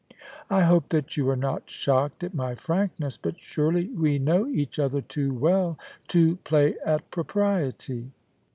I hope that you are not shocked at my frankness, but surely we know each other too well to play at propriety.'